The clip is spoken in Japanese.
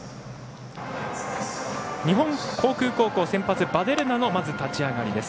日本航空高校、先発ヴァデルナの立ち上がりです。